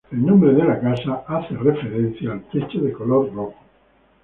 El nombre de la casa es en referencia al techo de color rojo.